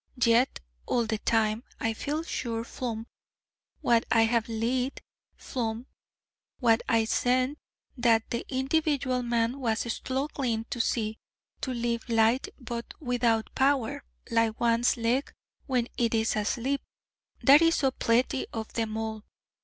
Yet all the time, I feel sure flom what I have lead, flom what I scent, that the individual man was stluggling to see, to live light, but without power, like one's leg when it is asleep: that is so pletty of them all!